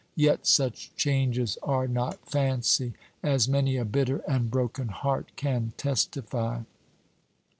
Yet such changes are not fancy, as many a bitter and broken heart can testify.